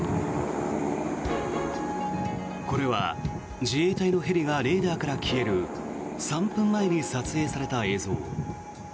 これは自衛隊のヘリがレーダーから消える３分前に撮影された映像。